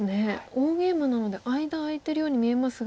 大ゲイマなので間空いてるように見えますが。